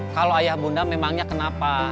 kalau ayah bunda memangnya kenapa